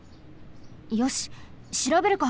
よししらべるか！